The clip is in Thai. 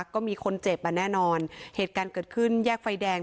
ก็มีคนเจ็บอ่ะแน่นอนเหตุการณ์เกิดขึ้นแยกไฟแดง